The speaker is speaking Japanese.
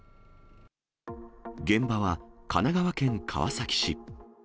現場は神奈川県川崎市。